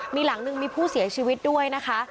มีหลังหนึ่งมีผู้เสียชีวิตด้วยนะคะ